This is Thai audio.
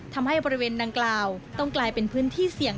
ทำให้บริเวณดังกล่าวต้องกลายเป็นพื้นที่เสี่ยง